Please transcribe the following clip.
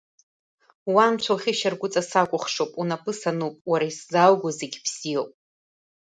Уа, Анцәа, ухьышьаргәыҵа сакәыхшоуп, унапы сануп, уара исзаауго зегьы бзиоуп.